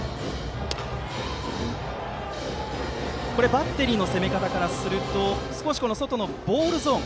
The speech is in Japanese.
バッテリーの攻め方からすると外のボールゾーン